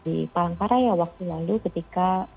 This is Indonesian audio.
di palangkaraya waktu lalu ketika